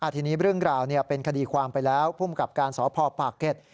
ทีนี้เรื่องราวเป็นคดีความไปแล้วภูมิกับการสพปากเก็ต